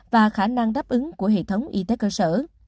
và khả năng đáp ứng của hệ thống y tế cơ sở